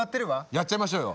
やっちゃいましょうよ。